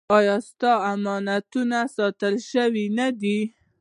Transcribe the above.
ایا ستاسو امانتونه ساتل شوي نه دي؟